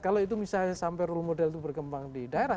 kalau itu misalnya sampai role model itu berkembang di daerah